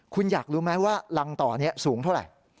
คุณอยากรู้ไหมว่ารังต่อนี้สูงเท่าไหร่